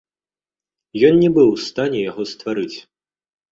Ён не быў у стане яго стварыць.